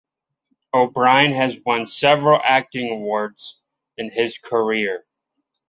O'Brien has won several acting awards in his career.